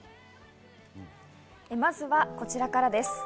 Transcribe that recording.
まずはこちらからです。